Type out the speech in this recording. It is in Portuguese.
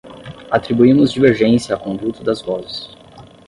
Atribuímos divergência à conduta das vozes.